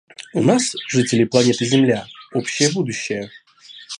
У нас, жителей планеты Земля, общее будущее.